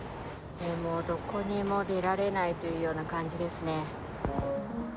どこにも出られないというような感じですね。